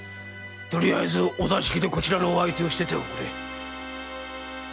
とりあえずお座敷でこちらのお相手をしておくれ。